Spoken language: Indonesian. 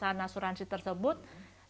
menanyakan terus begitu